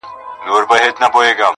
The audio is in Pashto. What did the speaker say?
چي له دنیا نه ارمانجن راغلی یمه!